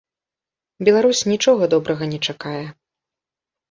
Беларусь нічога добрага не чакае.